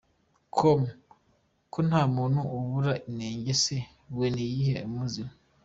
com: Ko nta muntu ubura inenge se, we ni iyihe umuziho?.